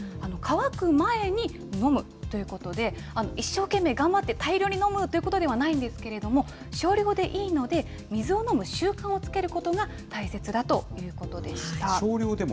渇く前に飲むということで、一生懸命頑張って大量に飲むということではないんですけれども、少量でいいので、水を飲む習慣をつけることが大切だということでした。